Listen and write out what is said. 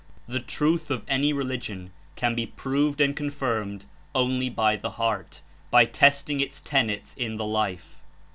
The truth of any religion can be proved and con firmed only by the heart, by testing its tenets In the life.